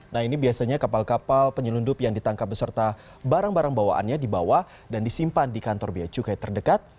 nah ini biasanya kapal kapal penyelundup yang ditangkap beserta barang barang bawaannya dibawa dan disimpan di kantor biaya cukai terdekat